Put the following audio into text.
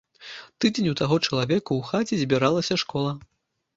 Тыдзень у таго чалавека ў хаце збіралася школа.